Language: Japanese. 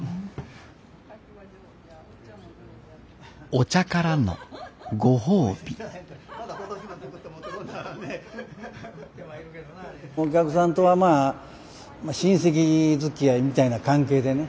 お茶からのご褒美お客さんとはまあ親戚づきあいみたいな関係でね。